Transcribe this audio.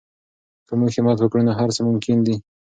که موږ همت وکړو نو هر څه ممکن دي.